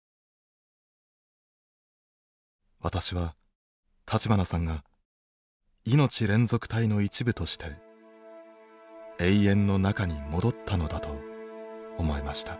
私は立花さんがいのち連続体の一部として永遠の中に戻ったのだと思えました。